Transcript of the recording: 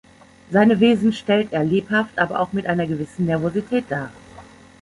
Seine Wesen stellt er lebhaft, aber auch mit einer gewissen Nervosität dar.